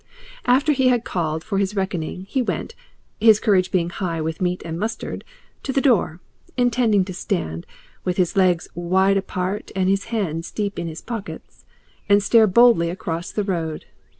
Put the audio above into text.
After he had called for his reckoning he went, his courage being high with meat and mustard, to the door, intending to stand, with his legs wide apart and his hands deep in his pockets, and stare boldly across the road.